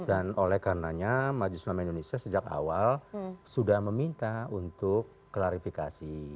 dan oleh karenanya majelis nama indonesia sejak awal sudah meminta untuk klarifikasi